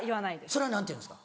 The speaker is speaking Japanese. それは何て言うんですか？